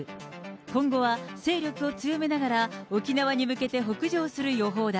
今後は勢力を強めながら、沖縄に向けて北上する予報だ。